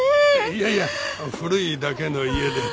いやいや古いだけの家で。